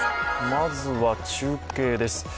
まずは中継です。